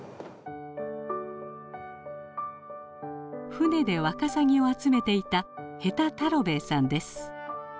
船でワカサギを集めていた辺田太郎兵衛さんです。